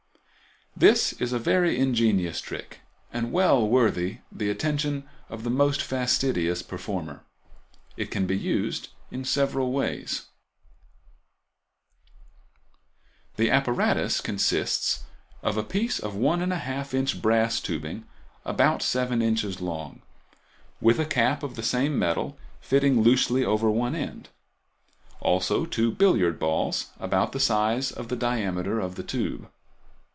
—This is a very ingenious trick, and well worthy the attention of the most fastidious performer. It can be used in several ways. Fig. 23. Tube, Ball, and Cap. The apparatus consists of a piece of 1½ in. brass tubing about 7 in. long, with a cap of the same metal fitting loosely over one end; also two billiard balls about the size of the diameter of the tube.